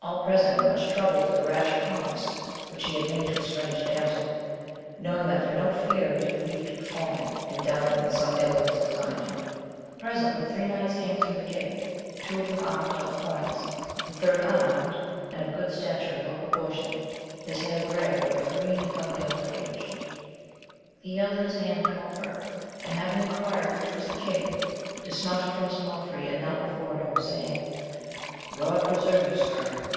All present were much troubled at the rash promise which he had made to a strange damsel, knowing that for no fear would he leave to petfotm^fe>^.XL^^^^isi'^ks^^ that some ill was designed h\rt\> W— ^ 164 AMADIS OF GAUL. Presently three knights came through the gate, two of them armed at all points, the third unarmed, of good stature and weU proportioned, his hair grey, but of a green and comely old age. He held in his hand a coffer, and having enquired which was the king, dismounted from his palfrey and knelt befare him, saying, God preserve you, sir